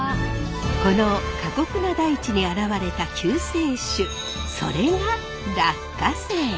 この過酷な大地に現れた救世主それが落花生！